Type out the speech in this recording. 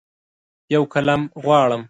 یوقلم غواړم